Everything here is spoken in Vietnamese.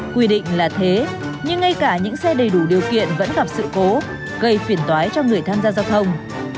quy định là thế nhưng ngay cả những xe đầy đủ điều kiện vẫn gặp sự cố gây phiền toái cho người tham gia giao thông